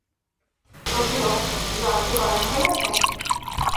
কহিল, জল কি গরম হইয়াছে।